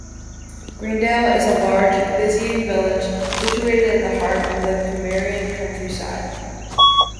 Greendale is a large, busy village situated in the heart of the Cumbrian countryside.